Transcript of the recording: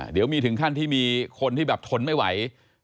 เดี๋ยวมีถึงขั้นที่มีคนที่แบบทนไม่ไหว